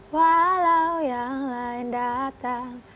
walau yang lain datang